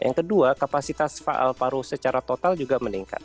yang kedua kapasitas faal paru secara total juga meningkat